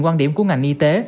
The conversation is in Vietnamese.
quan điểm của ngành y tế